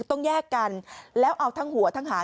ต้องแยกกันแล้วเอาทั้งหัวทั้งหา